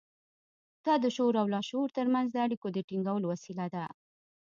دا د شعور او لاشعور ترمنځ د اړيکو د ټينګولو وسيله ده.